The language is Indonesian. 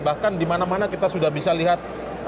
bahkan dimana mana kita sudah bisa lihat